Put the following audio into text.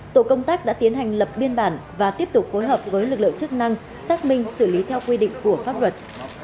tổ công tác đã tiến hành lập biên bản và tiếp tục phối hợp với lực lượng chức năng xác minh xử lý theo quy định của pháp luật